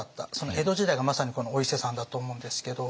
江戸時代がまさにこのお伊勢さんだと思うんですけど。